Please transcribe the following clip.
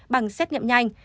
bằng xét nghiệm nhanh